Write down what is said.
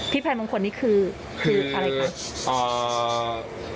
พี่ภายมงคลนี่คือคืออะไรครับ